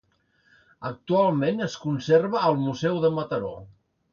Actualment es conserva al Museu de Mataró.